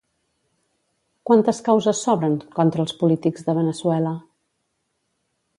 Quantes causes s'obren contra els polítics de Veneçuela?